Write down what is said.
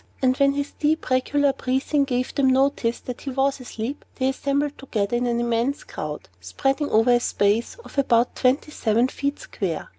And when his deep, regular breathing gave them notice that he was asleep, they assembled together in an immense crowd, spreading over a space of about twenty seven feet square.